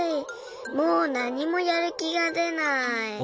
もうなにもやるきがでない。